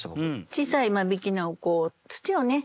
小さい間引菜を土をね